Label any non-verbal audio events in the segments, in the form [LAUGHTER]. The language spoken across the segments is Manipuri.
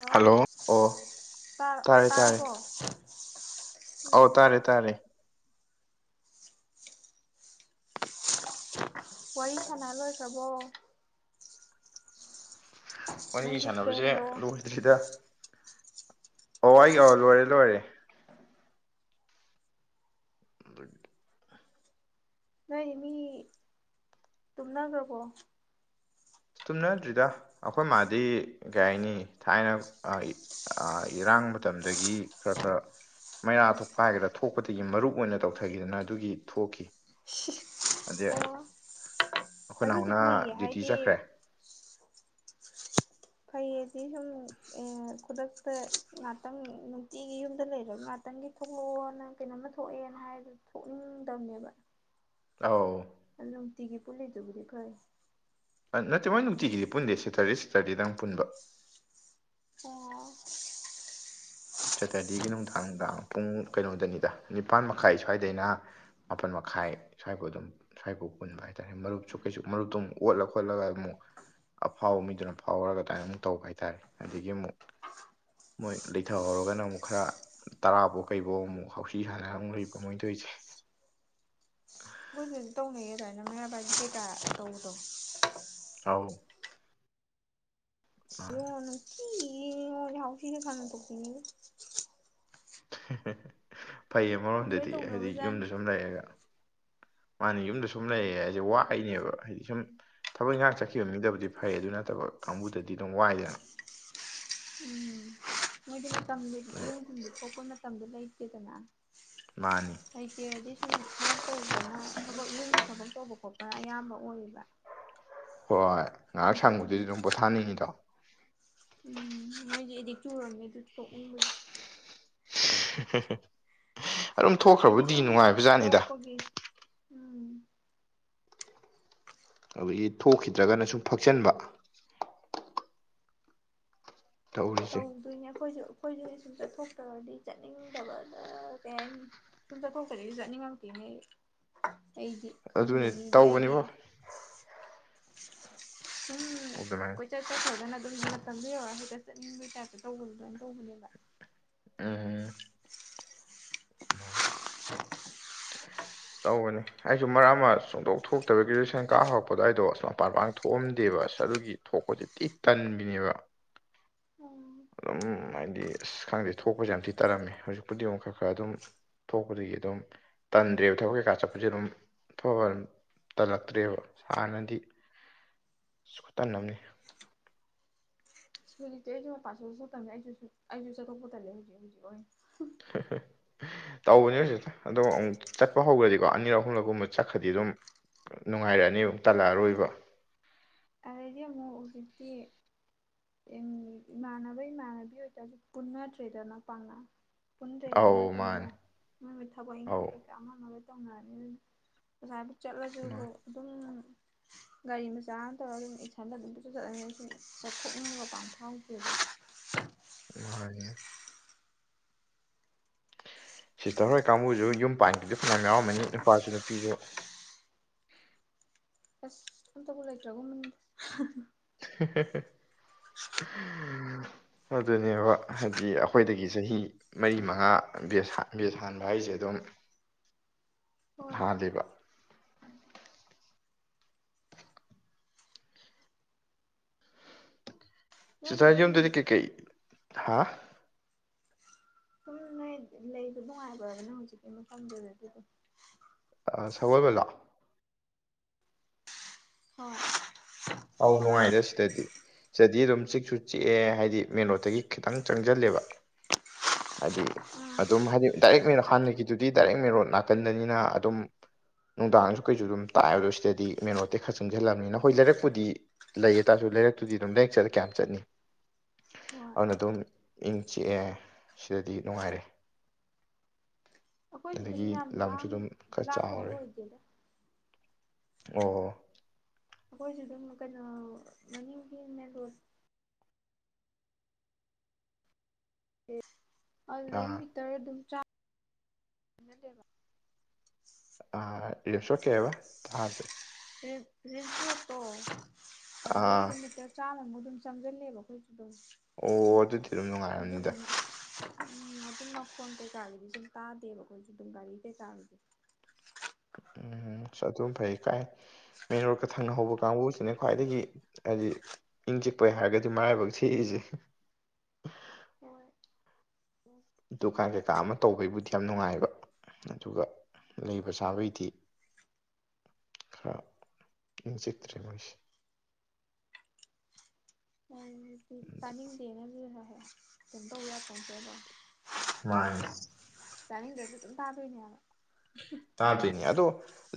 ꯍꯜꯂꯣ ꯇ ꯇꯥꯔꯦ ꯇꯥꯔꯕ꯭ꯔ‌ꯣ ꯇꯥꯔꯦ ꯑꯧ ꯇꯥꯔꯦ ꯇꯥꯔꯦ ꯋꯥꯔꯤ ꯁꯅꯥ ꯂ‌ꯣꯏꯈ꯭ꯔꯕ‌ꯣ ꯋꯥꯔꯤ ꯁꯥꯟꯅꯕꯁꯦ ꯐ꯭ꯔꯦꯟꯗꯣ ꯂꯣꯏꯗ꯭ꯔꯤꯗ ꯑꯣ ꯑꯩ ꯂꯣꯏꯔꯦ ꯂꯣꯏꯔꯦ [INAUDIBLE] ꯅ‌ꯣꯏ ꯃꯤ ꯇꯨꯝꯅꯒ꯭ꯔꯕ‌ꯣ ꯑꯁ ꯇꯨꯝꯅꯗ꯭ꯔꯤꯗ ꯑꯩꯈꯣꯏ ꯃꯥꯗꯤ ꯀꯩ ꯍꯥꯏꯅꯤ ꯊꯥꯏꯅ ꯏꯔꯥꯡ ꯏꯔꯥꯡ ꯃꯇꯝꯗꯒꯤ ꯈꯔ ꯈꯔ ꯃꯩꯔꯥ ꯊꯣꯛꯄ ꯍꯥꯏꯒꯗ꯭ꯔꯥ ꯊꯣꯛꯄꯗꯒꯤ ꯃꯔꯨꯞ ꯑꯣꯏꯅ ꯇꯧꯊꯈꯤꯗꯅ ꯑꯗꯨꯒꯤ ꯊꯣꯛꯈꯤ ꯑꯗꯩ ꯑꯣ ꯑꯩꯈꯣꯏ ꯑꯗꯨꯗꯤ ꯅꯥꯎꯅ ꯐꯩꯌꯦ ꯗ꯭ꯌꯨꯇꯤ ꯍꯥꯏꯗꯤ ꯆꯠꯈ꯭ꯔꯦ ꯐꯩꯌꯦꯗꯤ ꯁꯨꯝ ꯈꯨꯗꯛꯇ ꯉꯥꯛꯇꯪ ꯅꯨꯡꯇꯤꯒꯤ ꯌꯨꯝꯗ ꯂꯩꯔꯣꯏ ꯉꯥꯛꯇ ꯈꯤꯇꯪꯒꯤ ꯊꯣꯛꯂꯛꯑꯣ ꯅꯪ ꯀꯩꯅꯣꯝꯃ ꯊꯣꯛꯑꯦꯅ ꯍꯥꯏꯗꯨ ꯊꯣꯛꯅꯤꯡꯗꯕꯅꯦꯕ ꯑꯥꯎ ꯍꯜꯂꯣ ꯇꯤꯒꯤ ꯄꯨꯂ ꯇꯕꯨꯗꯤ ꯀꯣꯏ ꯅꯠꯇꯦ ꯃꯣꯏ ꯅꯨꯡꯇꯤꯒꯤꯗꯤ ꯄꯨꯟꯗꯦ ꯁꯦꯇꯔꯗꯦ ꯁꯦꯇꯔꯗꯦꯗꯪ ꯄꯨꯟꯕ ꯑꯣ ꯁꯦꯇꯔꯗꯦꯒꯤ ꯅꯨꯡꯗꯥꯡꯗ ꯄꯨꯡ ꯀꯩꯅꯣꯗꯅꯤꯗ ꯅꯤꯄꯥꯥꯟ ꯃꯈꯥꯏ ꯁ꯭ꯋꯥꯏꯗꯩꯅ ꯃꯥꯄꯜ ꯃꯈꯥꯏ ꯁ꯭ꯋꯥꯏꯕꯨ ꯑꯗꯨꯝ ꯁ꯭ꯋꯥꯏꯕꯨꯧ ꯎꯟꯕ ꯍꯥꯏꯇꯥꯔꯦ ꯃꯔꯨꯞꯁꯨ ꯀꯩꯁꯨ ꯃꯔꯨꯞꯇꯨꯛ ꯑꯣꯠꯂ ꯈꯣꯠꯂꯒ ꯑꯃꯨꯛ ꯑꯐꯥꯎꯕ ꯃꯤꯗꯨꯅ ꯑꯐꯥꯎꯔꯒ ꯑꯗꯨꯃꯥꯏ ꯑꯃꯨꯛ ꯇꯧꯕ ꯍꯥꯏꯇꯥꯔꯦ ꯑꯗꯒꯤ ꯑꯃꯨꯛ ꯃꯣꯏ ꯊꯍꯧꯔꯒꯅ ꯑꯃꯨꯛ ꯈꯔ ꯇꯔꯥꯐꯧ ꯀꯩꯐꯧ ꯑꯃꯨꯛ ꯍꯧꯥꯎꯁꯤ ꯁꯥꯟꯅ ꯑꯃꯨꯛ ꯂꯩꯕ ꯃꯣꯏꯊꯣꯏꯁꯦ ꯈ‌ꯣꯏꯖꯁꯨ ꯇꯧꯅ ꯑꯗꯨꯔꯅ ꯃꯕꯗꯤ ꯀꯦꯒꯥ ꯇꯧꯗꯣ ꯑꯥ ꯌ ꯅ ꯍꯥꯎꯁꯤ ꯈꯅ ꯇꯧꯅꯤ ꯐꯩꯌꯦ ꯂꯣꯏ ꯑꯃꯔꯣꯝꯗꯗꯤ ꯍꯥꯏꯗꯤ ꯇꯧꯅꯕꯖꯥꯠꯅꯤ ꯌꯨꯝꯗ ꯁꯨꯝ ꯂꯩꯔꯒ ꯃꯥꯅꯤ ꯌꯨꯝꯗ ꯁꯨꯝ ꯂꯩ ꯍꯥꯏꯁꯦ ꯋꯥꯏꯅꯦꯕ ꯍꯥꯏꯗꯤ ꯁꯨꯝ ꯊꯕꯛ ꯏꯪꯈꯥꯡ ꯆꯠꯈꯤꯕ ꯃꯤꯗꯕꯨꯗꯤ ꯐꯩ ꯑꯗꯨ ꯅꯠꯇꯕ ꯀꯥꯡꯕꯨꯗꯗꯤ ꯑꯗꯨꯝ ꯋꯥꯏꯗꯅ [UNINTELLIGIBLE] ꯎꯝ ꯃꯣꯏꯗꯤ ꯃꯇꯝꯗ ꯑꯗꯨ ꯏꯌꯣꯡꯁꯤꯡꯗ ꯊꯣꯛꯄ ꯃꯇꯝꯗ ꯂꯩꯇꯦꯗꯅ ꯃꯥꯅꯤ ꯑꯦ ꯁ ꯇ ꯊ ꯊ ꯇ ꯑꯌꯥꯝꯕ ꯑꯣꯏꯔꯤꯕ ꯍꯣꯏ ꯉꯥꯏꯍꯥꯛ ꯁꯪꯕꯗꯨꯗꯤ ꯑꯗꯨꯝ ꯄꯣꯊꯥꯅꯤꯡꯉꯤꯗꯣ ꯎꯝ ꯃꯣꯏꯗꯤꯦ ꯑꯦꯗꯤꯛꯇꯤ ꯎꯔꯝꯃꯦ ꯑꯗꯨ ꯇꯣꯛꯅꯤꯡꯕꯁ ꯑꯗꯨꯝ ꯍꯥꯏꯗꯤ ꯊꯣꯛꯈ꯭ꯔꯕꯨꯗꯤ ꯁꯨꯝ ꯅꯨꯡꯉꯥꯏꯕꯖꯥꯠꯅꯤꯗ ꯊꯣꯛꯄꯒꯤ ꯎꯝ ꯑꯗꯨꯗꯒꯤ ꯊꯣꯛꯈꯤꯗ꯭ꯔꯒꯅ ꯁꯨꯝ ꯐꯛꯆꯟꯕ ꯇꯧꯔꯤꯁꯦ ꯇꯧꯗꯣꯏꯅꯦ ꯑꯩꯈꯣꯏꯁꯨ ꯑꯩꯈꯣꯏꯁꯦ ꯁꯨꯝ ꯆꯠꯊꯣꯛꯇ꯭ꯔꯗꯤ ꯆꯠꯅꯤꯡꯗꯕꯅ ꯀꯩ ꯍꯥꯏꯅꯤ ꯁꯨꯝ ꯆꯠꯊꯣꯛꯇꯗꯤꯁꯨ ꯆꯠꯅꯤꯡꯉꯝꯛꯇꯦ ꯑꯩꯗꯤ ꯈꯪꯗ꯭ ꯑꯗꯨꯅꯤ ꯃꯤꯗꯤ ꯑꯩꯗꯤ ꯇꯧꯕꯅꯤꯕꯣ ꯎꯝ ꯑꯗꯨꯃꯥꯏꯅ ꯀꯣꯏꯆꯠ ꯆꯠꯊꯧꯗꯅ ꯑꯗꯨꯝꯔ ꯇꯝꯕꯤꯌꯣ ꯍꯥꯏꯠ ꯆꯕꯩꯇꯁꯨ ꯇꯧꯕꯅ ꯂꯣꯏꯅ ꯇꯧꯕꯅꯦꯕꯥ ꯎꯝ ꯎꯝ ꯑꯥ [UNINTELLIGIBLE] ꯇꯧꯕꯅꯤ ꯑꯩꯁꯨ ꯃꯔꯛ ꯑꯃ ꯁꯨꯛꯊ‌ꯣꯛ ꯊꯣꯛꯇꯕꯒꯤꯒꯦꯖꯨꯁꯟ ꯀꯥ ꯍꯧꯔꯛꯄꯗ ꯑꯩꯗꯣꯁ ꯃꯄꯥꯟ ꯃꯥꯡꯗ ꯊꯣꯛꯑꯝꯗꯦꯕ ꯑꯗꯨꯒꯤ ꯊꯣꯛꯄꯁꯦ ꯇꯤ ꯇꯟꯕꯤꯅꯦꯕ ꯎꯝ [UNINTELLIGIBLE] ꯊꯣꯛꯄꯗꯒꯤ ꯑꯗꯨꯝ ꯇꯟꯗ꯭ꯔꯦꯕꯥ ꯊꯕꯛ ꯀꯩꯀꯥ ꯆꯠꯄꯁꯦ ꯑꯗꯨꯝ ꯑꯐꯕꯥ ꯇꯜꯂꯛꯇ꯭ꯔꯦꯕ ꯍꯥꯟꯅꯗꯤ ꯑꯁ ꯈꯇꯟꯑꯃꯅꯤ ꯍꯧꯖꯤꯛꯇꯤ ꯑꯩꯁꯨ ꯃꯄꯥꯟꯅꯦ ꯑꯩꯁꯨ ꯑꯩꯁꯨ ꯆꯠꯊꯣꯛꯄ ꯇꯜꯂꯦ ꯍꯧꯖꯤꯛ ꯍꯧꯖꯤꯛ ꯑꯣꯏꯅ [INAUDIBLE] ꯇꯧꯕꯅꯦ ꯍꯧꯖꯤꯛꯇ ꯑꯗꯣ ꯑꯃꯨꯛ ꯆꯠꯄ ꯍꯧꯈ꯭ꯔꯗꯤꯀꯣ ꯑꯅꯤꯔꯛ ꯑꯍꯨꯝꯂꯛꯀꯨꯝꯕ ꯆꯠꯈ꯭ꯔꯗꯤ ꯑꯗꯨꯝ ꯅꯨꯡꯉꯥꯏꯔꯛꯑꯅꯤ ꯑꯃꯨꯛ ꯇꯥꯜꯂꯛꯑꯔꯣꯏꯕ ꯑꯗꯤ ꯃ ꯎꯖꯤꯛꯇ ꯃꯅꯅꯕ ꯃꯅꯕꯤ ꯑꯣꯏꯇ ꯑꯗꯨ ꯄꯨꯟꯥꯇ꯭ꯔꯔꯤꯗꯅ ꯄꯥꯉ ꯀꯨꯟꯗ꯭ꯔꯦꯗꯤ ꯑꯧ ꯃꯇꯝꯗꯣ ꯃꯥꯅꯤ ꯃꯣꯏꯕꯨ ꯊꯕꯛ ꯏꯪꯈꯥꯡ ꯑꯧ ꯀꯩꯀꯥ ꯑꯃ ꯑꯃꯒ ꯇꯧꯅꯔꯅꯤ ꯑꯗꯨ ꯑꯣꯖꯥꯕꯨ ꯆꯠꯂꯁꯨꯕꯨ ꯃꯥꯅꯤ ꯑꯗꯨꯝ ꯒꯥꯔꯤ ꯃꯆꯥ ꯇꯧꯔꯒ ꯑꯗꯨꯝ ꯏꯁꯊꯟꯗ ꯑꯗꯨꯝ ꯄꯨꯖ ꯆꯠꯂꯅꯤ ꯁꯨꯝ ꯆ ꯆꯥꯎꯈꯣꯛꯅꯤꯡꯉꯒ ꯄꯝꯊꯥꯎꯁ ꯑꯗꯨ ꯍꯥꯏ [UNINTELLIGIBLE] ꯁꯤꯁꯇꯔ ꯍꯣꯏ ꯀꯥꯡꯕꯨꯁꯨ ꯌꯨꯝ ꯄꯥꯟꯈꯤꯕꯗꯨ ꯐꯅꯌꯥꯝ ꯌꯥꯎꯔꯝꯃꯅꯤ ꯅꯨꯄꯥꯁꯨ ꯅꯨꯄꯤꯁꯨ ꯑꯁ ꯑꯇꯕꯨꯂꯥꯏꯇ꯭ꯔꯒꯨꯝ ꯎꯝ ꯑꯗꯨꯅꯦꯕ ꯍꯥꯏꯗꯤ ꯑꯩꯈꯣꯏꯗꯒꯤ ꯆꯍꯤ ꯃꯔꯤ ꯃꯉꯥ ꯕꯦꯁ ꯍꯥꯟꯕ ꯍꯥꯏꯁꯦ ꯑꯗꯨ ꯑꯗꯨꯝ [UNINTELLIGIBLE] ꯍꯣꯏ ꯍꯥꯥ ꯗꯕ ꯅꯣꯏꯗꯤ ꯑꯗꯨꯝ ꯁꯤꯁꯖꯤꯗꯨꯗꯤ ꯀꯦ ꯀꯩ ꯍꯥ ꯅꯣꯏ ꯂꯩꯕ ꯅꯨꯡꯉꯥꯏꯕꯗꯅ ꯍꯧꯖꯤꯛꯀꯤ ꯃꯇꯝꯗꯨꯗꯗ ꯑ ꯁꯒꯜꯕꯦꯂꯥ ꯍ ꯑꯧ ꯅꯨꯡꯉꯥꯏꯔꯦꯁꯗꯗꯤ ꯁꯤꯗꯗꯤ ꯑꯗꯨꯝ ꯆꯤꯛꯁꯨ ꯆꯤꯛꯑꯦ ꯍꯥꯏꯗꯤ ꯃꯦꯟ ꯔꯣꯠꯇꯒꯤ ꯈꯤꯇꯪ ꯆꯪꯁꯤꯜꯂꯦꯕ ꯍꯥꯏꯗꯤ ꯎꯝ ꯑꯗꯨꯝ ꯍꯥꯏꯗꯤ ꯗꯥꯏꯔꯦꯛ ꯃꯔꯣ ꯍꯥꯟꯅꯒꯤꯗꯨꯗꯤ ꯗꯥꯏꯔꯦꯛ ꯃꯔꯣ ꯅꯥꯀꯟꯗꯅꯤꯅ ꯑꯗꯨꯝ ꯅꯨꯡꯗꯥꯡꯁꯨ ꯀꯩꯁꯨ ꯑꯗꯨꯝ ꯇꯥꯛꯑꯕꯗꯣ ꯁꯤꯗꯗꯤ ꯃꯦꯟ ꯔꯣꯗꯠꯇꯩ ꯈꯔ ꯆꯪꯁꯤꯜꯂꯕꯅꯤꯅ ꯍꯣꯏ ꯂꯩꯔꯛ ꯄꯨꯗꯤ ꯂꯩꯌꯦ ꯇꯥꯔꯁꯨ ꯂꯩꯔꯛꯇꯨꯗꯤ ꯑꯗꯨꯝ ꯂꯔꯛ ꯆꯠꯂ ꯀꯌꯥꯝ ꯆꯠꯅꯤ ꯍꯣꯏ ꯑꯗꯨꯅ ꯑꯗꯨꯝ ꯏꯪ ꯆꯤꯛꯑꯦ ꯁꯤꯗꯗꯤ ꯅꯨꯡꯉꯥꯏꯔꯦ ꯑꯩꯈꯣꯏꯁꯨ ꯑꯗꯨꯝ ꯑꯗꯒꯤ ꯌꯥꯝ ꯂꯝꯁꯨ ꯂꯥꯡ ꯑꯗꯨꯝ ꯈꯔ ꯂꯥꯡꯕꯗꯤ ꯆꯥꯎꯔꯦ ꯑꯣꯏꯗꯦꯗ ꯑꯣ ꯑꯩꯈꯣꯏꯁꯨ ꯑꯗꯨꯝ ꯀꯩꯅꯣ ꯃꯅꯤꯡꯟꯅꯣ ꯑꯦ ꯑꯗꯨꯗꯒꯤ ꯑꯥ ꯃꯤꯇꯔ ꯑꯗꯨꯝ ꯑ ꯂꯩꯕ ꯑ ꯏ ꯁꯣ ꯀꯦ ꯊ ꯇꯦ ꯣꯠꯇꯣ ꯑꯗꯨꯗꯒꯤ ꯑꯥ ꯅꯨꯃꯤꯠꯠꯇꯔ ꯆꯥꯝꯃꯃꯨꯛ ꯑꯗꯨꯝ ꯆꯪꯁꯤꯜꯂꯦꯕ ꯑꯩꯈꯣꯏ ꯑꯣ ꯑꯗꯨꯗꯤ ꯑꯗꯨꯝ ꯅꯨꯡꯉꯥꯏꯔꯕꯝꯅꯤꯗ ꯑꯗꯨꯗꯨꯅ ꯎꯝ ꯑꯗꯨꯝ ꯃꯈꯣꯟ ꯀꯩꯀꯥꯔꯒꯤꯗꯤ ꯑꯗꯨꯝ ꯀꯥꯗꯦꯕ ꯑꯩꯈꯣꯏꯁꯨ ꯑꯗꯨꯝ ꯒꯥꯔꯤ ꯀꯩꯀꯥꯔꯗꯤ [UNINTELLIGIBLE] ꯎ ꯑꯗꯨꯝ ꯐꯩ ꯀꯥꯏ ꯃꯦꯟ ꯔꯣꯗꯀ ꯊꯪꯅ ꯍꯧꯕ ꯀꯥꯡꯕꯨꯁꯤꯅ ꯈ꯭ꯋꯥꯏꯗꯒꯤ ꯍꯥꯏꯗꯤ ꯏꯪ ꯆꯤꯛꯄꯩ ꯍꯥꯏꯔꯒꯗꯤ ꯃꯥꯏꯕ ꯁꯤꯛꯏꯁꯦ ꯍ ꯑꯗꯨꯀꯥꯟ ꯀꯩꯀꯥ ꯑꯃ ꯇꯧꯕꯒꯤꯕꯨꯗꯤ ꯌꯥꯝ ꯅꯨꯡꯉꯥꯏꯕ ꯑꯗꯨꯒ ꯂꯩꯕ ꯆꯥꯕꯩꯗꯤ ꯈꯔ ꯏ ꯆ꯭ꯔꯦꯣꯏꯁꯤ [UNINTELLIGIBLE] ꯗꯤ ꯇꯥꯅꯤꯡꯗꯦꯅ ꯍ ꯑꯗꯨꯝ ꯇꯧꯔ ꯈꯪꯗꯦꯕ ꯃꯥ ꯇꯗꯅꯅ ꯇꯥꯗ꯭ꯣꯏꯅꯦ ꯑꯗꯣ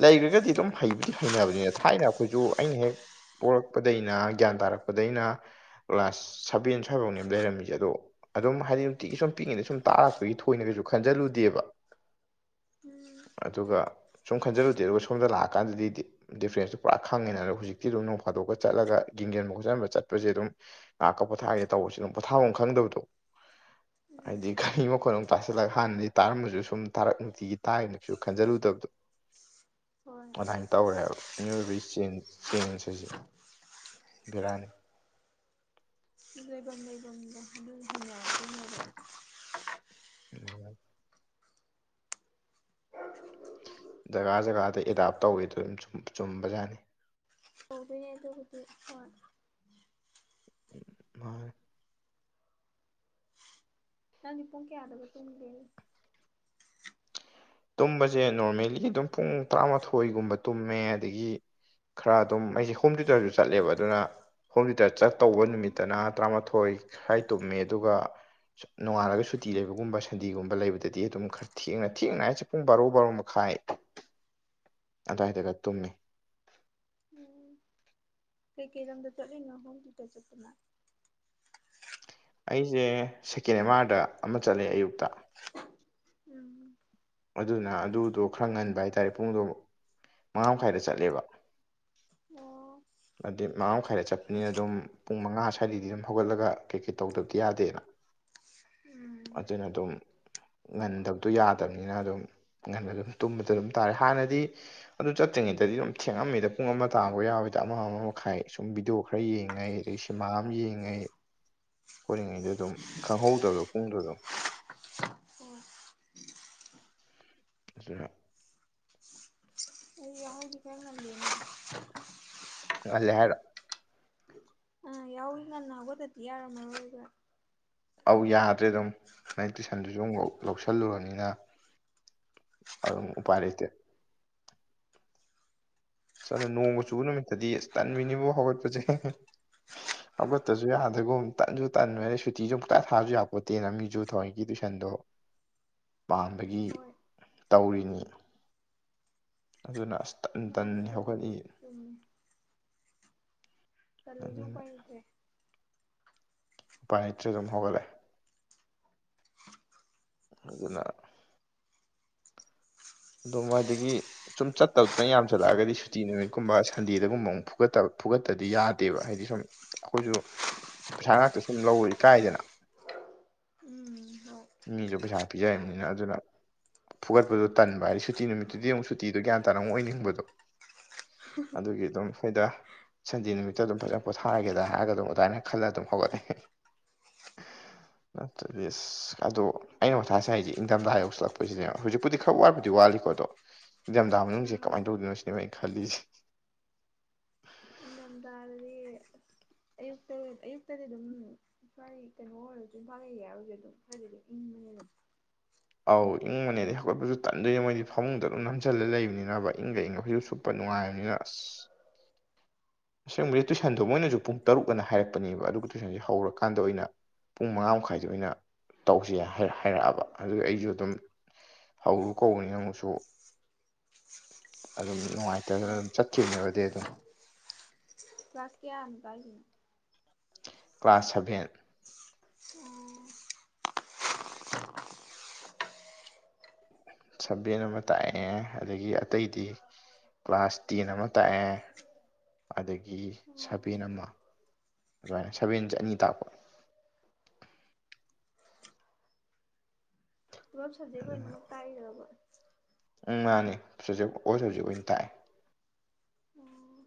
ꯂꯩꯈ꯭ꯔꯒꯗꯤ ꯑꯗꯨꯝ ꯍꯩꯕꯨꯗꯤ ꯍꯩꯅꯕꯅꯤꯅ ꯊꯥꯏꯅ ꯑꯩꯈꯣꯏꯁꯨ ꯑꯩꯅ ꯍꯦꯛ ꯄꯣꯛꯂꯛꯄꯗꯩꯅ ꯒ꯭ꯌꯥꯟ ꯇꯥꯔꯛꯄꯗꯩꯅ ꯀ꯭ꯂꯥꯁ ꯁꯚꯦꯟ ꯁ꯭ꯋꯥꯏꯐꯥꯎꯅꯦ ꯂꯩꯔꯝꯃꯤꯁꯦ ꯑꯗꯣ ꯑꯗꯨꯝ ꯍꯥꯏꯗꯤ ꯅꯨꯡꯇꯤꯒꯤ ꯁꯨꯝ ꯄꯤꯛꯉꯤꯗ ꯁꯨꯝ ꯇꯥꯛꯔꯛꯄꯒꯤ ꯊꯣꯏꯅ ꯀꯩꯁꯨ ꯈꯟꯖꯤꯜꯂꯨꯗꯦꯕ ꯎꯝ ꯑꯗꯨꯒ ꯁꯨꯝ ꯈꯟꯖꯔꯨꯗꯦ ꯑꯗꯨꯒ ꯁꯣꯝꯗ ꯂꯥꯛꯑꯀꯥꯟꯗꯗꯤꯐ꯭ꯔꯦꯟꯁꯇꯨ ꯄꯨꯔꯥ ꯈꯪꯉꯦꯅ ꯑꯗꯣ ꯍꯧꯖꯤꯛꯇꯤ ꯑꯗꯨꯝ ꯅꯣꯡ ꯐꯥꯦ ꯑꯗꯨꯒ ꯆꯠꯂꯒ ꯌꯦꯡꯖꯟꯕ ꯈꯣꯠꯆꯟꯕ ꯆꯠꯄꯁꯦ ꯑꯗꯨꯝ ꯉꯥꯏꯍꯥꯛꯀ ꯄꯣꯊꯥꯒꯦ ꯇꯧꯕꯁꯨ ꯑꯗꯨꯝ ꯄꯣꯊꯥꯐꯝ ꯈꯪꯗꯕꯗꯣ [UNINTELLIGIBLE] ꯍꯥꯏꯗꯤ ꯈꯥꯅꯤ ꯃꯈꯣꯠ ꯑꯃꯨꯛ ꯇꯥꯁꯤꯜꯂꯒ ꯍꯥꯟꯅꯗꯤ ꯇꯥꯔꯝꯃꯁꯨ ꯁꯨꯝ ꯇꯥꯔꯛ ꯅꯨꯡꯇꯤꯒꯤ ꯇꯥꯏꯅꯁꯨ ꯈꯟꯖꯤꯜꯂꯨꯗꯕꯗꯣ ꯍꯣꯏ ꯑꯗꯨꯃꯥꯏꯅ ꯇꯧꯔꯦꯕ ꯃꯤꯑꯣꯏꯕꯒꯤ ꯆꯦꯟꯖ ꯍꯥꯏꯁꯦ ꯕꯕꯤꯔꯥꯅꯤ ꯁꯤꯒ꯭ꯂꯥꯏꯕꯥꯟꯥꯏꯕꯖ ꯍ ꯍ ꯑꯗꯨ ꯎ ꯖꯒꯥ ꯖꯒꯥꯗ ꯑꯦꯗꯥꯞ ꯇꯧꯋꯗ ꯑꯗꯨꯝ ꯆꯨꯝꯕ ꯌꯥꯅꯤ ꯇꯕꯅꯦ ꯑꯗꯨ ꯍꯧꯗꯤ ꯍ ꯃꯥ ꯅꯪꯗꯤ ꯄꯨꯡ ꯀꯌꯥꯗꯕ ꯇꯣꯡꯒꯦꯅꯤ ꯇꯨꯝꯕꯁꯦ ꯅꯣꯔꯃꯦꯜꯂꯤ ꯑꯗꯨꯝ ꯄꯨꯡ ꯇꯔꯥꯃꯥꯊꯣꯏꯒꯨꯝꯕ ꯇꯨꯝꯃꯦ ꯑꯗꯒꯤ ꯈꯔ ꯑꯗꯨꯝ ꯑꯩꯁꯦ ꯍꯣꯝ ꯊꯤꯌꯨꯇꯔꯁꯨ ꯆꯠꯂꯦꯕ ꯑꯗꯨꯅ ꯍꯣꯝ ꯊꯤꯦꯇꯔ ꯆꯠꯇꯧꯕ ꯑꯥ ꯅꯨꯃꯤꯠꯇꯅ ꯇꯔꯥꯃꯥꯊꯣꯏ ꯊꯣꯏꯈꯥꯏ ꯇꯨꯝꯃꯦ ꯑꯗꯨꯒ ꯅꯣꯡꯉꯥꯜꯂꯒ ꯁꯨꯇꯤ ꯂꯩꯕꯒꯨꯝꯕ ꯁꯟꯗꯤꯦꯒꯨꯝꯕ ꯂꯩꯕꯗꯗꯤ ꯑꯗꯨꯝ ꯈꯔ ꯊꯦꯡꯅ ꯊꯦꯡꯅꯉꯥꯏ ꯆꯠꯄ ꯄꯨꯡ ꯕꯥꯔꯣ ꯕꯥꯔꯣ ꯃꯈꯥꯏ ꯑꯗꯨꯋꯥꯏꯗꯒ ꯇꯨꯝꯃꯤ ꯎꯝ ꯀꯩꯀꯩꯔꯝꯗ ꯆꯠꯂꯅꯍ ꯨꯇ ꯆꯄꯅꯥ ꯑꯩꯁꯦ ꯁꯦꯀꯦꯟ ꯑꯦꯝ ꯑꯥꯔꯗ ꯑꯃ ꯆꯠꯂꯦ ꯑꯌꯨꯛꯇ ꯎꯝ ꯑꯗꯨꯅ ꯑꯗꯨꯗꯣ ꯈꯔ ꯉꯟꯕ ꯍꯥꯏꯇꯥꯔꯦ ꯄꯨꯡꯗꯣ ꯃꯉꯥ ꯃꯈꯥꯏꯗ ꯆꯠꯂꯦꯕ ꯑꯣ ꯑꯗꯨꯗꯤ ꯃꯉꯥꯡ ꯃꯈꯥꯏꯗ ꯆꯠꯄꯅꯤꯅ ꯑꯗꯨꯝ ꯄꯨꯡ ꯃꯉꯥ ꯁ꯭ꯋꯥꯏꯗꯒꯤꯗꯤ ꯑꯗꯨꯝ ꯍꯧꯒꯠꯂꯒ ꯀꯩꯀꯩ ꯇꯧꯗꯕꯗꯤ ꯌꯥꯗꯦꯅ [UNINTELLIGIBLE] ꯎꯝ ꯑꯆꯅꯠꯇꯣ ꯉꯟꯗꯕꯗꯣ ꯌꯥꯗꯕꯅꯤꯅ ꯑꯗꯨꯝ ꯉꯟꯕ ꯑꯗꯨꯝ ꯇꯨꯝꯕꯗ ꯑꯗꯨꯝ ꯇꯥꯔꯦ ꯍꯥꯟꯅꯗꯤ ꯑꯗꯨ ꯆꯠꯇꯦ ꯔꯤꯉꯩꯗꯗꯤ ꯑꯗꯨꯝ ꯊꯦꯡꯉꯝꯃꯤꯗ ꯄꯨꯡ ꯑꯃ ꯇꯥꯕ ꯌꯥꯕ ꯗ ꯑꯃ ꯑꯃ ꯃꯈꯥꯏ ꯁꯨꯝ ꯚꯤꯗꯤꯑꯣ ꯈꯔ ꯌꯦꯡꯉꯦ ꯑꯗꯒꯤ ꯁꯤꯃꯥ ꯑꯃ ꯌꯦꯡꯉꯦ ꯍꯣꯔꯤꯉꯩꯗ ꯑꯗꯨꯝ ꯈꯪꯍꯧꯗꯕ ꯄꯨꯡꯗꯨ ꯑꯗꯨꯝ ꯎ ꯏꯁꯁꯔꯥ ꯑꯩ ꯌꯥ ꯍꯣꯏꯗꯤ ꯀ ꯂꯅ ꯑꯂꯦ ꯍꯥꯏꯔ ꯑ ꯌꯥꯎꯔꯤꯒ ꯅꯥꯟ ꯑꯒꯗꯗꯤ ꯌꯥꯔ ꯃꯅ ꯑꯣꯏꯔꯤꯒ ꯑꯧ ꯌꯥꯗ꯭ꯔꯦ ꯑꯗꯨꯝ ꯅꯪ ꯇꯨꯏꯁꯟꯗꯨꯁꯨ ꯑꯗꯨ ꯂꯧꯁꯜꯂꯨꯔꯕꯅꯤꯅ ꯑꯗꯨꯝ ꯎꯄꯥꯏ ꯂꯩꯇꯦ ꯁꯅ ꯅꯣꯡꯃ ꯆꯨꯕ ꯅꯨꯃꯤꯠꯇꯗꯤ ꯑꯁ ꯇꯟꯃꯤꯅꯤꯐꯥꯎ ꯍꯧꯒꯠꯄꯁꯦ ꯑꯠꯇꯁꯨ ꯌꯥꯗ꯭ꯔꯒꯨꯝ ꯇꯟꯁꯨ ꯇꯟ ꯑ ꯁꯨꯇꯤꯁꯨ ꯑꯃꯨꯛꯛꯇ ꯊꯥꯁꯨ ꯌꯥꯄꯣꯠꯇꯦꯅ ꯃꯤꯁꯨ ꯊꯋꯥꯏ ꯇꯨꯏꯁꯟ ꯗꯣ ꯄꯥꯟꯕꯒꯤ ꯍꯣꯏ ꯇꯧꯔꯤꯅꯤ ꯑꯗꯨꯅ ꯑꯁꯇꯟ ꯇꯟ ꯃꯥꯅꯦ ꯑꯗꯨꯕꯨꯗꯤ ꯍꯧꯒꯠꯏ ꯆꯨꯝꯃꯦ ꯀꯂꯗꯤꯎ ꯄꯥꯏꯠꯇ꯭ꯔꯦ ꯎꯅꯤꯇ꯭ꯖꯝꯍꯒꯦ ꯑꯗꯨꯗꯅ ꯑꯗꯨꯣ ꯃꯗꯒꯤ ꯁꯨꯝ ꯆꯠꯇꯕꯗꯨꯅ ꯌꯥꯝ ꯆꯠꯂꯛꯑꯒꯗꯤ ꯁꯨꯇꯤ ꯅꯨꯃꯤꯠꯀꯨꯝꯕ ꯁꯟꯗꯦꯗꯒꯨꯝꯕ ꯑꯃꯨꯛ ꯐꯨꯒꯠꯇꯕ ꯐꯨꯒꯠꯇꯗꯤ ꯌꯥꯗꯦꯕ ꯍꯥꯏꯗꯤ ꯁꯨꯝ ꯑꯩꯈꯣꯏꯁꯨ ꯄꯩꯁꯥ ꯉꯥꯛꯇ ꯁꯨꯝ ꯂꯧ ꯏꯀꯥꯏꯗꯅ [UNINTELLIGIBLE] ꯍꯣꯏ ꯃꯤꯁꯨ ꯄꯩꯁꯥ ꯄꯤꯖꯕꯅꯤꯅ ꯑꯗꯨꯅ ꯐꯨꯒꯠꯄꯗꯨ ꯇꯟꯕ ꯍꯥꯏꯗꯤ ꯁꯨꯇꯤ ꯅꯨꯃꯤꯠꯇꯨꯗꯤ ꯑꯃꯨꯛ ꯁꯨꯇꯤꯗꯣ ꯒ꯭ꯌꯥ ꯇꯅ ꯑꯃꯨꯛ ꯑꯣꯏꯅꯤꯡꯕꯗꯣ ꯑꯗꯨꯒꯤ ꯑꯗꯨꯝ ꯁꯣꯏꯗ ꯁꯟꯗꯦ ꯅꯨꯃꯤꯠꯇ ꯑꯗꯨꯝ ꯐꯖꯅ ꯄꯣꯊꯥꯔꯒꯦꯗ ꯍꯥꯏꯔꯒ ꯑꯗꯨꯝ ꯑꯗꯨꯃꯥꯏꯅ ꯈꯜꯂ ꯑꯗꯨꯝ ꯍꯧꯒꯠꯂ [UNINTELLIGIBLE] ꯅꯠꯇ꯭ꯔ ꯌꯦꯁ ꯑꯗꯣ ꯑꯩꯅ ꯃꯊꯥꯁꯦ ꯍꯥꯏꯁꯦ ꯏꯪꯊꯝꯗ ꯍꯥꯏꯌꯣꯛꯁꯤꯜꯂꯛꯄꯁꯤꯅꯦ ꯍꯧꯖꯤꯛꯄꯨꯗꯤꯛ ꯈꯛ ꯋꯥꯠꯕꯗꯤ ꯋꯥꯠꯂꯤꯀꯣ ꯑꯗꯣ ꯅꯤꯡꯊꯝꯊꯥ ꯃꯅꯨꯡꯁꯦ ꯑꯥ ꯀꯃꯥꯏꯅ ꯇꯧꯗꯣꯏꯅꯣ ꯁꯤꯅꯦꯕ ꯑꯩꯅ ꯈꯜꯂꯤꯁꯦ ꯏꯗꯔꯗꯤ ꯑꯗꯨꯁꯨ ꯃꯥ ꯂꯩꯌꯦ ꯍꯥꯏꯕꯁꯨ ꯑꯗꯨꯝ ꯈꯔꯗꯤ ꯏꯪꯕꯅꯤ ꯑꯗꯨꯝ ꯑꯧ ꯏꯪꯕꯅꯦꯗꯤ ꯍꯧꯒꯠꯄꯁꯨ ꯇꯟꯗꯣꯏ ꯃꯣꯏꯗꯤ ꯐꯃꯨꯡꯗ ꯑꯗꯨꯝ ꯅꯝꯁꯤꯜꯂ ꯂꯩꯕꯅꯤꯅꯕ ꯏꯪꯒ ꯏꯪꯒ ꯍꯧꯖꯤꯛꯁꯨ ꯁꯨꯞꯄꯅꯤ ꯅꯨꯡꯉꯥꯏꯕꯅꯤꯅ ꯑꯁ ꯑꯁꯦꯡꯕꯗꯤ ꯇꯨꯏꯁꯟꯗꯣ ꯃꯣꯏꯅꯁꯨ ꯄꯨꯡ ꯇꯔꯨꯛ ꯑꯅ ꯍꯥꯏꯔꯛꯄꯅꯦꯕ ꯑꯗꯨꯒ ꯇꯨꯏꯁꯟꯁꯦ ꯍꯧꯔꯀꯥꯟꯗ ꯑꯣꯏꯅ ꯄꯨꯡ ꯃꯉꯥ ꯃꯈꯥꯏꯗ ꯑꯣꯏꯅ ꯇꯧꯁꯦ ꯍꯥꯏꯔꯛꯑꯕ ꯑꯗꯨꯒ ꯑꯩꯁꯨ ꯑꯗꯨꯝ ꯍꯧꯔꯨ ꯀꯧꯕꯅꯤ ꯅꯪꯨꯁꯨ ꯑꯗꯨꯝ ꯅꯨꯡꯉꯥꯏꯇꯗꯅ ꯍꯣꯏ ꯑꯗꯨꯝ ꯆꯠꯈꯤꯕꯅꯦꯕꯗꯤ ꯑꯗꯨꯝ ꯁ ꯀꯌꯥꯅꯤ ꯄꯅ ꯀ꯭ꯂꯥꯁ ꯁꯚꯦꯟ ꯑꯣ ꯁꯚꯦꯟ ꯑꯃ ꯇꯥꯛꯑꯦ ꯑꯗꯒꯤ ꯑꯇꯩꯗꯤ ꯀ꯭ꯂꯥꯁ ꯇꯦꯟ ꯑꯃ ꯇꯥꯛꯑꯦ ꯑꯗꯒꯤ ꯁꯚꯦꯟ ꯑꯃ ꯑꯗꯨꯃꯥꯏꯅ ꯁꯚꯦꯟ ꯑꯅꯤ ꯇꯥꯛꯄ ꯄꯨꯂꯣꯞ ꯁꯖꯩꯕ ꯑꯣꯏꯅꯅꯃꯛ ꯀꯥꯏꯔꯕ ꯎꯝ ꯃꯥꯅꯤ ꯑꯣꯏ ꯍꯧꯖꯤꯛ ꯑꯣꯏꯅ ꯊꯥꯛꯑꯦ ꯎꯝ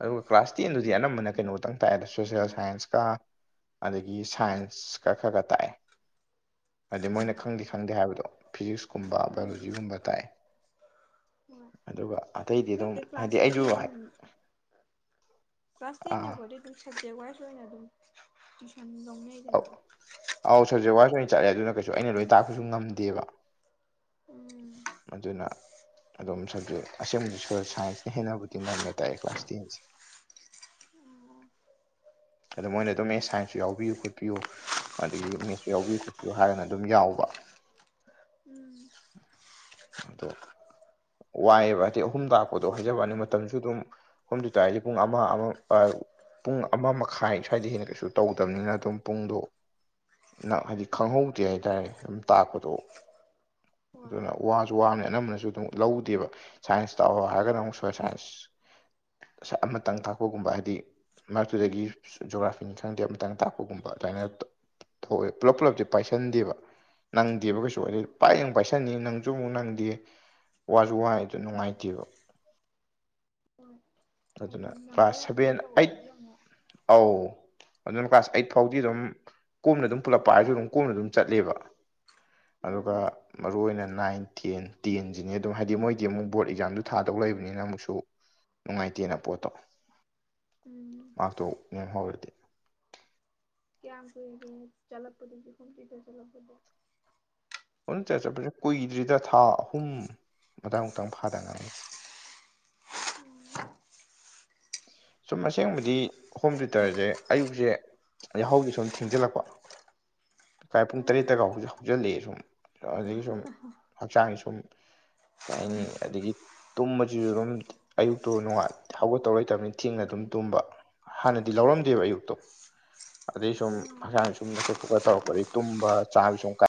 ꯑꯗꯨꯒ ꯀ꯭ꯂꯥꯁ ꯇꯦꯟꯗꯨꯗꯤ ꯑꯅꯝꯕꯅ ꯀꯩꯅꯣꯝꯇꯪ ꯇꯥꯏꯑꯗ ꯁꯣꯁꯦꯜ ꯁꯥꯏꯟꯁꯀ ꯑꯗꯒꯤ ꯁꯥꯏꯟꯁ ꯈ ꯈꯔ ꯈꯔ ꯇꯥꯛꯑꯦ ꯍꯥꯏꯗꯤ ꯃꯣꯏꯅ ꯈꯪꯗꯦ ꯈꯪꯗꯦ ꯍꯥꯏꯕꯗꯣ ꯐꯤꯖꯤꯛꯁꯀꯨꯝꯕ ꯕꯥꯏꯑꯣꯂꯣꯖꯤꯒꯨꯝꯕ ꯇꯥꯛꯑꯦ ꯍꯣꯏ ꯑꯗꯨꯒ ꯑꯇꯩꯗꯤ ꯑꯗꯨꯝ ꯑꯗꯨꯕꯨꯗꯤ ꯍꯥꯏꯗꯤ ꯀ꯭ꯂꯥꯁ ꯑꯩꯁꯨ ꯀꯁꯇ ꯅ ꯀꯣꯦ ꯇꯨꯡ ꯁꯖꯒ ꯋꯥꯏꯁꯨꯏꯅ ꯑꯗꯨ ꯁ ꯂꯣꯡꯅꯦ ꯍꯥꯏꯗꯅꯣ ꯑꯥꯎ ꯁꯕꯖꯦꯛ ꯋꯥꯏꯁ ꯑꯣꯏꯅ ꯆꯠꯂꯦ ꯑꯗꯨꯅ ꯀꯩꯁꯨ ꯑꯩꯅ ꯂꯣꯏ ꯇꯥꯛꯄꯁꯨ ꯉꯝꯗꯦꯕ ꯎꯝ ꯃꯅ ꯑꯗꯨꯝ ꯁꯕꯖꯦꯛ ꯑꯁꯦꯡꯕꯗꯤ ꯁꯣꯁ ꯁꯥꯏꯟꯁꯅ ꯍꯦꯟꯅꯕꯨꯗꯤ ꯅꯝꯅ ꯇꯥꯏ ꯀ꯭ꯂꯥꯁ ꯇꯦꯟꯁꯦ ꯎꯝ ꯑꯗ ꯃꯣꯏꯅ ꯑꯗꯨꯝ ꯑꯦꯠꯁ ꯁꯥꯏꯟꯁꯁꯨ ꯌꯥꯎꯕꯤꯌꯨ ꯈꯣꯠꯄꯤꯌꯨ ꯑꯗꯒꯤ ꯃꯤꯦꯠꯁꯁꯨ ꯌꯥꯎꯕꯤꯌꯨ ꯈꯣꯠꯄꯤꯌꯨ ꯍꯥꯏꯔꯒꯅ ꯑꯗꯨꯝ ꯌꯥꯎꯋ ꯎꯝ ꯑꯗꯣ ꯋꯥꯏꯑꯦꯕ ꯍꯥꯏꯗꯤ ꯑꯍꯨꯝ ꯇꯥꯛꯄꯗꯣ ꯍꯥꯏꯖꯕꯅꯤ ꯃꯇꯝꯁꯨ ꯑꯗꯨꯝ ꯑꯍꯨꯝꯗꯨ ꯇꯥꯁꯦ ꯄꯨꯡ ꯑꯃ ꯑꯃ ꯄꯨꯡ ꯑꯃ ꯃꯈꯥꯏ ꯁ꯭ꯋꯥꯏꯗ ꯍꯦꯟꯅ ꯀꯩꯁꯨ ꯇꯧꯗꯕꯅꯤꯅ ꯑꯗꯨꯝ ꯄꯨꯡꯗꯣ ꯍꯥꯏꯗꯤ ꯈꯪꯍꯧꯗꯦ ꯍꯥꯏꯇꯥꯔꯦ ꯑꯗꯨꯝ ꯇꯥꯛꯄꯗꯣ ꯑꯣ ꯑꯗꯨꯅ ꯋꯥꯁꯨ ꯋꯥꯕꯅꯤ ꯑꯅꯝꯕꯅꯁꯨ ꯑꯗꯨꯝ ꯂꯧꯗꯦꯕ ꯁꯥꯏꯟꯁ ꯇꯧꯑꯣ ꯍꯥꯏꯔꯒꯅ ꯑꯃꯨꯛ ꯁꯣꯏꯜ ꯁꯥꯏꯟꯁ ꯑꯃꯇꯪ ꯀꯥꯛꯄꯒꯨꯝꯕ ꯍꯥꯏꯗꯤ ꯃꯔꯛꯇꯨꯗꯒꯤ ꯖꯣꯒ꯭ꯔꯥꯐꯤꯅꯤ ꯈꯪꯗꯦ ꯑꯃꯇꯪ ꯇꯥꯛꯄꯒꯨꯝꯕ ꯑꯗꯨꯃꯥꯏꯅ ꯊꯣꯛꯑꯦ ꯄꯨꯂꯞ ꯄꯨꯂꯞꯁꯦ ꯄꯥꯏꯁꯟꯗꯦꯕ ꯅꯪꯗꯦꯕ ꯀꯩꯁꯨ ꯑꯣꯏ ꯎꯝ ꯄꯥꯏ ꯄꯥꯏꯁꯟꯅꯤꯡ ꯁꯨ ꯑꯃꯨꯛ ꯅꯪꯗꯦ ꯋꯥꯁꯨ ꯋꯥꯏ ꯑꯗꯨ ꯅꯨꯡꯉꯥꯏꯇꯦꯕ ꯍꯣꯏ ꯍꯥꯏꯗꯤ ꯑꯗꯨꯅ ꯅꯪꯕꯣꯏ ꯀ꯭ꯂꯥꯁ ꯅꯪꯗꯕꯣꯏ ꯁꯚꯦꯟ ꯑꯩꯠ ꯇꯧꯔꯗꯤ ꯑꯃꯨꯛ ꯑꯧ ꯑꯗꯨꯅ ꯀ꯭ꯂꯥꯁ ꯑꯩꯠ ꯐꯥꯎꯗꯤ ꯑꯗꯨꯝ ꯀꯣꯝꯅ ꯑꯗꯨꯝ ꯄꯨꯂꯛꯄ ꯍꯥꯏꯔꯁꯨ ꯑꯗꯨꯝ ꯀꯣꯝꯅ ꯑꯗꯨꯝ ꯆꯠꯂꯦꯕ ꯎꯝ ꯑꯗꯨꯒ ꯃꯔꯨ ꯑꯣꯏꯅ ꯅꯥꯏꯟ ꯇꯦꯟ ꯇꯦꯟꯁꯤꯅꯦ ꯑꯗꯨꯝ ꯍꯥꯏꯗꯤ ꯃꯣꯏꯗꯤ ꯑꯃꯨꯛ ꯕꯣꯔꯗ ꯑꯦꯛꯖꯥꯝꯗ ꯊꯥꯗꯧ ꯂꯩꯕꯅꯤꯅ ꯑꯃꯨꯛꯁꯨ ꯅꯨꯡꯉꯥꯏꯇꯦꯅ ꯄꯣꯠꯇꯣ ꯎꯝ ꯃꯍꯥꯛꯥꯛꯇꯨ ꯌꯦꯦꯝꯍꯧꯔꯗꯤ ꯀꯌꯥꯝ ꯀꯨꯏꯒꯦ ꯆꯠꯂꯛꯄꯗꯨꯁꯨ ꯀꯨꯝ ꯀꯗ ꯆꯠꯂꯛꯄꯗ ꯑꯗꯨ ꯆ ꯆꯠꯄꯁ ꯀꯨꯏꯗ꯭ꯔꯤꯗ ꯊꯥ ꯑꯍꯨꯝ ꯃꯇꯥꯡ ꯃꯨꯛꯇꯪ ꯐꯥꯗꯉꯥꯏꯅꯤ [INAUDIBLE] ꯁꯨꯝ ꯑꯁꯦꯡꯕꯗꯤ ꯍꯣꯝ ꯊꯌꯨꯇꯔꯁꯦ ꯑꯌꯨꯛꯁꯦ ꯌꯥꯍ ꯍꯧꯒꯤ ꯁꯨꯝ ꯊꯦꯡꯖꯤꯜꯂꯛꯄ ꯥꯏ ꯄꯨꯡ ꯎꯝ ꯇꯔꯦꯠꯇꯒ ꯍꯧꯖꯤꯜꯂꯛꯑꯦ ꯁꯨꯝ ꯑꯗꯨꯗꯒꯤ ꯁꯨꯝ ꯍꯛꯆꯥꯡꯒꯤ ꯁꯨꯝ ꯀꯅꯤ ꯑꯗꯒꯤ ꯇꯨꯝꯕꯁꯤꯁꯨ ꯑꯗꯨꯝ ꯑꯌꯨꯛꯇꯣ ꯅꯅꯨꯡꯉ ꯊꯥꯎꯒꯠꯇꯧꯔ ꯂꯩꯇꯕꯅꯤ ꯊꯦꯡꯅ ꯑꯗꯨꯝ ꯇꯨꯝꯕ ꯍꯥꯟꯅꯗꯤ ꯂꯧꯔꯝꯗꯦꯕ ꯑꯌꯨꯛꯇꯣ ꯑꯗꯩ ꯁꯨꯝ ꯎꯝ ꯍꯛꯆꯥꯡ ꯁꯨꯝ ꯅꯛꯈꯠ ꯈꯣꯠꯀꯠ ꯇꯧꯔꯛꯄꯗꯒꯤ ꯇꯨꯝꯕ ꯆꯥꯕ ꯁꯨꯝ ꯀ